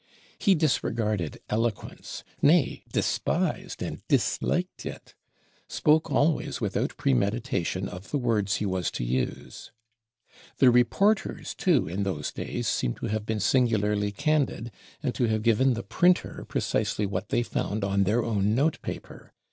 He disregarded eloquence, nay despised and disliked it; spoke always without premeditation of the words he was to use. The Reporters, too, in those days seem to have been singularly candid; and to have given the Printer precisely what they found on their own note paper.